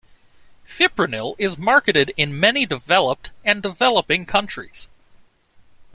Fipronil is marketed in many developed and developing countries.